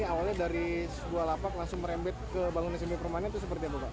awalnya dari dua lapak langsung merembet ke bangunan semi permanen itu seperti apa pak